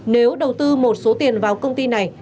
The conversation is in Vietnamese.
nếu đầu tư một số tiền vào công ty này